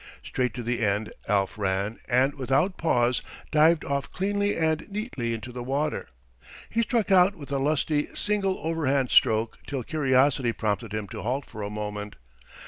Straight to the end Alf ran, and, without pause, dived off cleanly and neatly into the water. He struck out with a lusty, single overhand stroke till curiosity prompted him to halt for a moment.